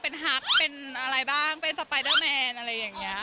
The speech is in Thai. เป็นฮักเป็นอะไรบ้างเป็นสไปเดอร์แมนอะไรอย่างนี้